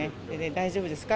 大丈夫ですか？